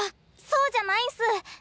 そうじゃないんす！